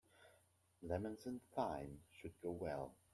Lemons and thyme should go well.